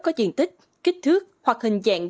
có diện tích kích thước hoặc hình dạng